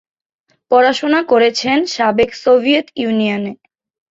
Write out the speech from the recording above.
পড়াশোনা করেছেন সাবেক সোভিয়েত ইউনিয়নে।